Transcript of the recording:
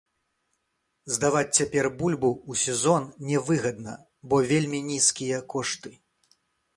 Здаваць цяпер бульбу, у сезон, не выгадна, бо вельмі нізкія кошты.